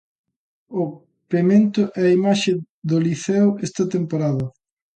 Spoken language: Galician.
O pemento é a imaxe do Liceo esta temporada.